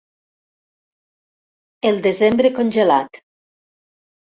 El desembre congelat